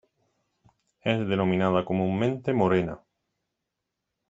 Es denominada comúnmente morena.